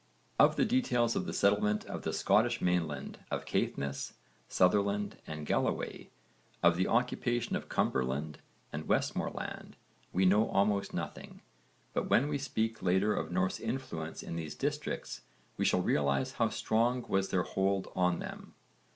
Of the details of the settlement of the Scottish mainland, of Caithness, Sutherland, and Galloway, of the occupation of Cumberland and Westmorland we know almost nothing, but when we speak later of Norse influence in these districts we shall realise how strong was their hold on them.